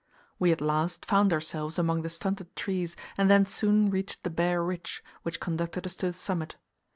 We at last found ourselves among the stunted trees, and then soon reached the bare ridge, which conducted us to the summit.